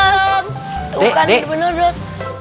tunggu kan ini bener dot